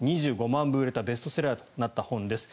２５万部売れたベストセラーとなった本です。